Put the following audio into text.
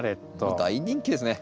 大人気ですね。